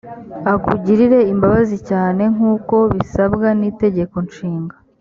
akugirire imbabazi cyane nkuko bisabwa n itegeko nshinga